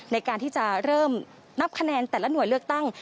ในการที่จะเริ่มนับคะแนนแต่ละหน่วยเลือกตั้ง